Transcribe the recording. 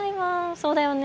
そうだよね。